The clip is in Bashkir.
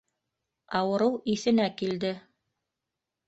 - Ауырыу иҫенә килде.